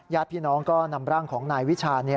ญาติพี่น้องก็นำร่างของนายวิชา